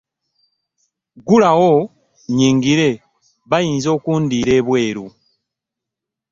Ggulawo nnyingire bayinza okundiira ebweru.